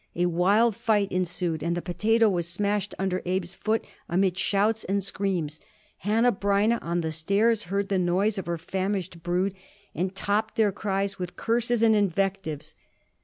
A wild fight ensued, and the potato was smashed under Abe's foot amid shouts and screams. Hanneh Breineh, on the stairs, heard the noise of her famished brood, and topped their cries with curses and invectives.